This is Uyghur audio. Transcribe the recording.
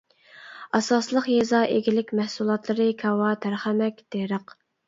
ئاساسلىق يېزا ئىگىلىك مەھسۇلاتلىرى كاۋا، تەرخەمەك، تېرىق.